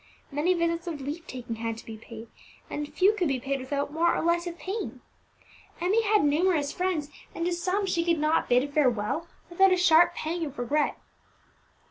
Many visits of leave taking had to be paid, and few could be paid without more or less of pain. Emmie had numerous friends, and to some she could not bid farewell without a sharp pang of regret.